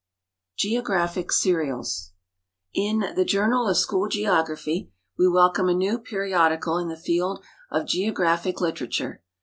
GEOGRAPHIC SERIALS In " The Journal of School Geography " we welcome a new periodical in the field of geographic literature.